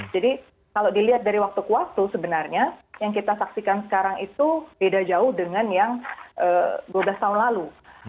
jadi kalau dilihat dari waktu ke waktu sebenarnya yang kita saksikan sekarang itu beda jauh dengan yang dua belas tahun lalu